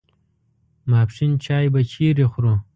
ماپښین چای به چیرې خورو.